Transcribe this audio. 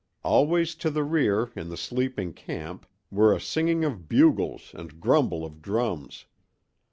Away to the rear, in the sleeping camp, were a singing of bugles and grumble of drums.